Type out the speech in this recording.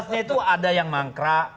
delapan belas nya itu ada yang mangkrak